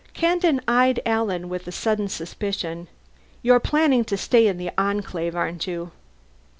Kandin eyed Alan with sudden suspicion. "You're planning to stay in the Enclave, aren't you?"